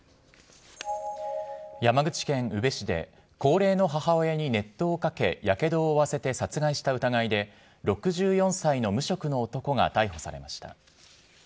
山口県宇部市で、高齢の母親に熱湯をかけ、やけどを負わせて殺害した疑いで６４歳の無職の男が逮捕されました。